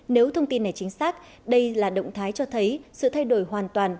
nếu thông tin này chính xác đây là động thái cho thấy sự thay đổi hoàn toàn